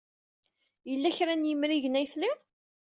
Yella kra n yimrigen ay tlid?